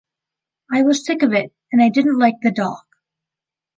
I was sick of it, and I didn’t like the dog.